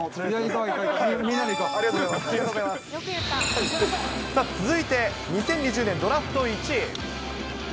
さあ、続いて２０２０年ドラフト１位。